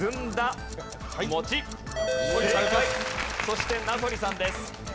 そして名取さんです。